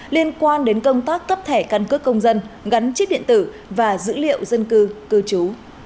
liên quan đến công tác cấp thẻ căn cước công dân gắn chip điện tử và dữ liệu dân cư cư trú